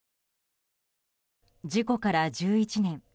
事故から１１年。